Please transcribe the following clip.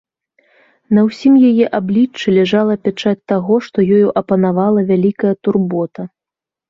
На ўсім яе абліччы ляжала пячаць таго, што ёю апанавала вялікая турбота.